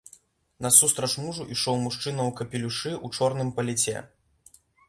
Насустрач мужу ішоў мужчына ў капелюшы, у чорным паліце.